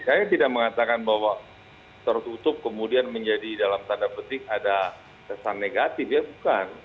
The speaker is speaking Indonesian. saya tidak mengatakan bahwa tertutup kemudian menjadi dalam tanda petik ada kesan negatif ya bukan